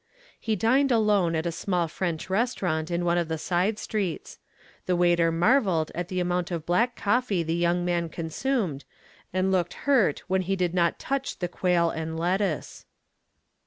He dined alone at a small French restaurant in one of the side streets. The waiter marveled at the amount of black coffee the young man consumed and looked hurt when he did not touch the quail and lettuce.